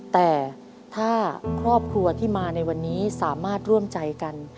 แต่ถ้าครอบครัวที่มาในวันนี้สามารถร่วมใจกัน